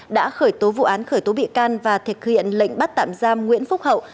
đã khởi tố vụ án khởi tố bị can và thực hiện lệnh bắt tạm giam nguyễn phúc hậu